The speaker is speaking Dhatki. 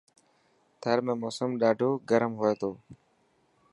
ٿر ۾ موسم ڏاڌو گرم هئي ٿو.